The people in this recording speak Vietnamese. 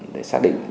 để xác định